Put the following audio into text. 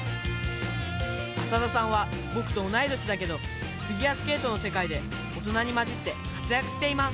浅田さんは僕と同い年だけどフィギュアスケートの世界で大人に交じって活躍しています